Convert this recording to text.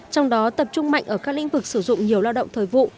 trong đó tập trung mạnh ở các lĩnh vực sử dụng nhiều lao động thời vụ